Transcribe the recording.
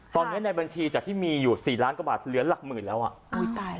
ตอนนี้ในบัญชีจากที่มีอยู่๔ล้านกว่าบาทเหลือหลักหมื่นแล้วอะ